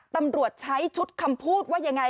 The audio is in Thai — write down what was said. ตำรวจใช้ชุดคำพูดว่ายังไง